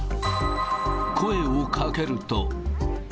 声をかけると。